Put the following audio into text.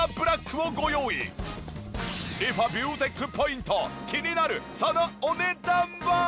リファビューテックポイント気になるそのお値段は！？